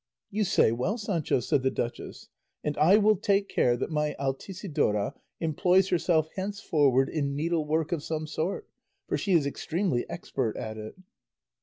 "You say well, Sancho," said the duchess, "and I will take care that my Altisidora employs herself henceforward in needlework of some sort; for she is extremely expert at it."